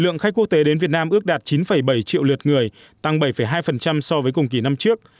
nam ước đạt chín bảy triệu lượt người tăng bảy hai so với cùng kỳ năm trước